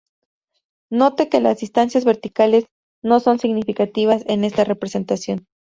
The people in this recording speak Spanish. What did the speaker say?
Note que las distancias verticales no son significativas en esta representación.